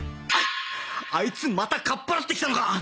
あいつまたかっぱらってきたのか！